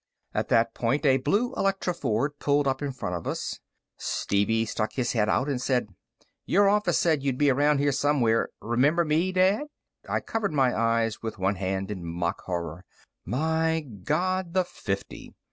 At that point, a blue ElectroFord pulled up in front of us. Stevie stuck his head out and said: "Your office said you'd be around here somewhere. Remember me, Dad?" I covered my eyes with one hand in mock horror. "My God, the fifty!"